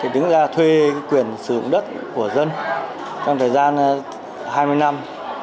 đứng ra thuê quyền sử dụng đất của dân trong thời gian hai mươi năm